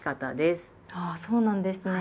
あそうなんですね。